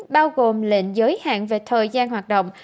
bao gồm lệnh giới hạn về thời gian hoạt động